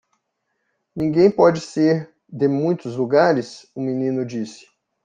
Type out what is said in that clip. "Ninguém pode ser de muitos lugares?" o menino disse.